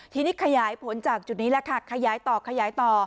ทีนี้ขยายผลจากจุดนี้แหละค่ะขยายต่อขยายต่อ